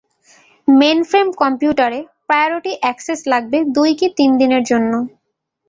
Mainframe কম্পিউটারে priority access লাগবে দুই কি তিনদিনের জন্য।